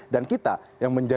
dan kita yang menjaga